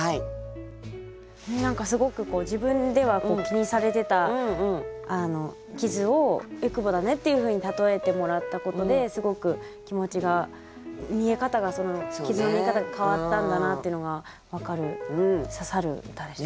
何かすごく自分では気にされてた傷を「えくぼだね」っていうふうにたとえてもらったことですごく気持ちが傷の見え方が変わったんだなっていうのが分かる刺さる歌でした。